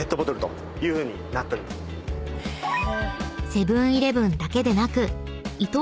［セブン−イレブンだけでなくイトー